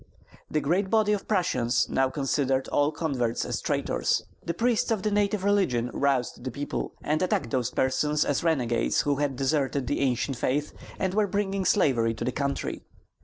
The great body of Prussians now considered all converts as traitors. The priests of the native religion roused the people, and attacked those persons as renegades who had deserted the ancient faith and were bringing slavery to the country.